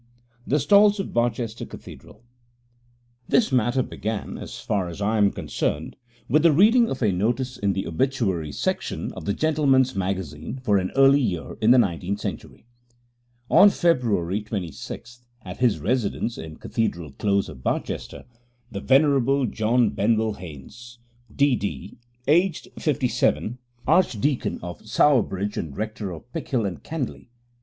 THE STALLS OF BARCHESTER CATHEDRAL This matter began, as far as I am concerned, with the reading of a notice in the obituary section of the Gentleman's Magazine for an early year in the nineteenth century: On February 26th, at his residence in the Cathedral Close of Barchester, the Venerable John Benwell Haynes, D.D., aged 57, Archdeacon of Sowerbridge and Rector of Pickhill and Candley.